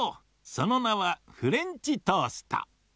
そのなは「フレンチトースト」。